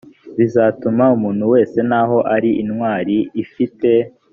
bizatuma umuntu wese naho ari intwari ifite